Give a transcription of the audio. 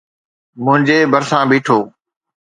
منهنجي ڀرسان بيٺو.